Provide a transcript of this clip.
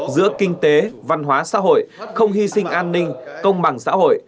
giữa kinh tế văn hóa xã hội không hy sinh an ninh công bằng xã hội